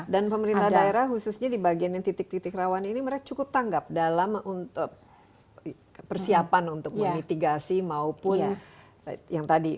dan pemerintah daerah khususnya di bagian yang titik titik rawan ini mereka cukup tanggap dalam persiapan untuk memitigasi maupun yang tadi